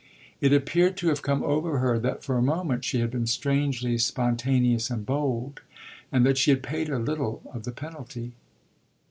It appeared to have come over her that for a moment she had been strangely spontaneous and bold, and that she had paid a little of the penalty.